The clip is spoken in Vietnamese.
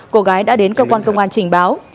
cô gái đã đến cơ quan công an trình báo